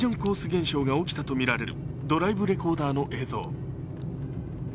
現象が起きたとみられるドライブレコーダーの映像。